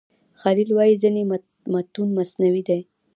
خلیل وايي ځینې متون مصنوعي دي.